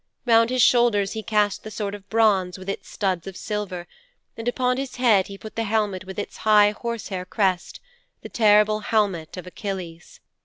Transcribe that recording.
Round his shoulders he cast the sword of bronze with its studs of silver, and upon his head he put the helmet with its high horse hair crest the terrible helmet of Achilles.